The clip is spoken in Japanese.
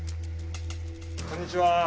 こんにちは。